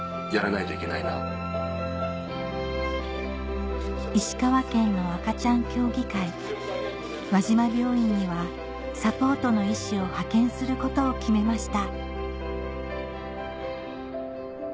救急隊員たちは石川県の赤ちゃん協議会輪島病院にはサポートの医師を派遣することを決めました